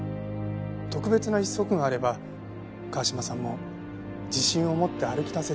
特別な一足があれば川嶋さんも自信を持って歩き出せる。